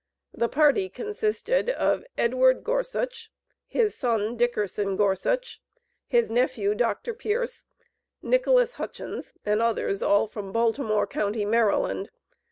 The party consisted of Edward Gorsuch, his son, Dickerson Gorsuch, his nephew, Dr. Pearce, Nicholas Hutchins, and others, all from Baltimore county, Md.